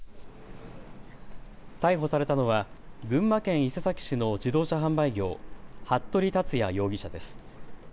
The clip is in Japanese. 逮捕されたのは群馬県伊勢崎市の自動車販売業、服部達也容疑者です。